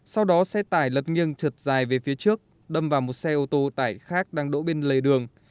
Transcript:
sau đó xe tải lật nghiêng trượt dài về phía trước đâm vào một xe ô tô tải khác đang đỗ bên lề đường